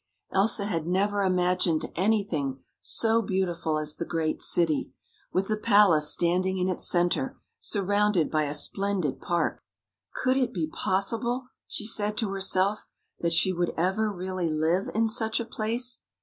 Elsa had never imagined anything so beautiful as the great city, with the palace standing in its center, surrounded by a splendid park. Could it be possible, she said to herself, that she would ever really live in such a place?